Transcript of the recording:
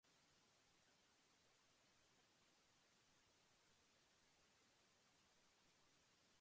They provide accessible and affordable preschool education, focusing on holistic growth and social skills.